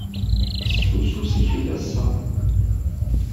Fessus ussikel ass-a.